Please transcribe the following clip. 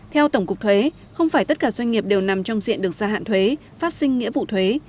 theo tổng cục thuế không phải tất cả doanh nghiệp đều nằm trong diện được gia hạn thuế phát sinh nghĩa vụ thuế